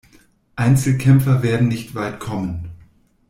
Einzelkämpfer werden nicht weit kommen.